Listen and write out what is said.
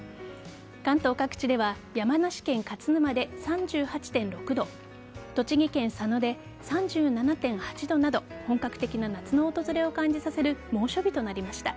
関東各地では山梨県勝沼で３８．６度栃木県佐野で３７．８度など本格的な夏の訪れを感じさせる猛暑日となりました。